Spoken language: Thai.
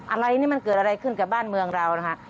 อะไรนี่มันเกิดอะไรขึ้นกับบ้านเมืองเรานะคะ